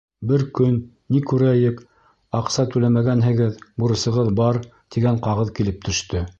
Бер көн ни күрәйек, аҡса түләмәгәнһегеҙ, бурысығыҙ бар, тигән ҡағыҙ килеп төштө.